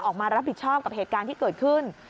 ออกมารับผิดชอบกับเหตุการณ์ที่เกิดขึ้น